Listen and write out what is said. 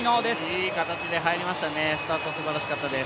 いい形で入りましたね、スタートすばらしかったです。